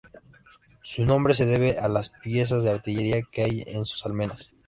Su nombre se debe a las piezas de artillería que hay en sus almenas.